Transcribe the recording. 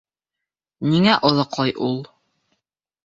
Ниңә оҙаҡлай ул?..